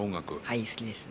はい好きです。